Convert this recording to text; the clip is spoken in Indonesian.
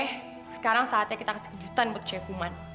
oke sekarang saatnya kita kasih kejutan buat cepuman